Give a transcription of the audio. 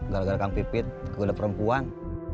gara gara kang pipit kepada perempuan